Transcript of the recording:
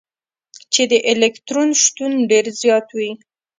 چي د الکترون شتون ډېر زيات وي.